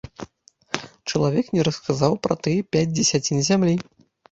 Чалавек не расказаў пра тыя пяць дзесяцін зямлі.